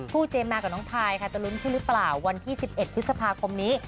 เจมสมากับน้องพายค่ะจะลุ้นขึ้นหรือเปล่าวันที่๑๑พฤษภาคมนี้